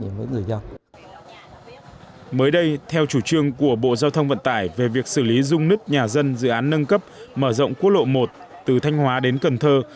mới đây theo chủ trương của bộ giao thông vận tải về việc xử lý dung nứt nhà dân dự án nâng cấp mở rộng quốc lộ một từ thanh hóa đến cần thơ